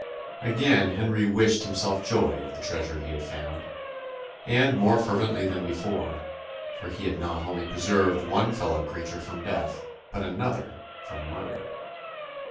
Again Henry wished himself joy of the treasure he had found; and more fervently than before; for he had not only preserved one fellow creature from death, but another from murder.